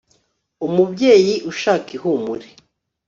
umubyeyi ushaka ihumure